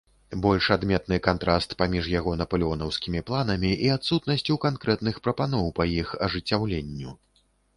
Больш адметны кантраст паміж яго напалеонаўскімі планамі і адсутнасцю канкрэтных прапаноў па іх ажыццяўленню.